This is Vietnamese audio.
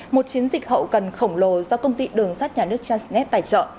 một chiến dịch hậu cần khổng lồ do công ty đường sát nhà nước chasnet tài trợ